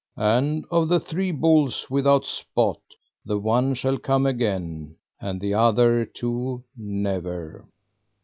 And of the three bulls without spot, the one shall come again, and the other two never.